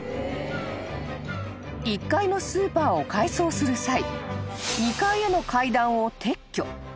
［１階のスーパーを改装する際２階への階段を撤去］